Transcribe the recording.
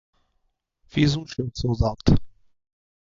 fiz um show soldout